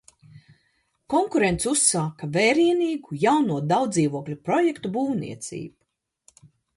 Konkurents uzsāk vērienīgu jauno daudzdzīvokļu projektu būvniecību.